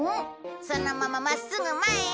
そのまま真っすぐ前へ。